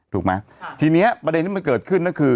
ถูกไหมทีนี้ประเด็นที่มันเกิดขึ้นก็คือ